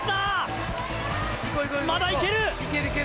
まだ行ける！